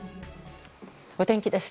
お天気です。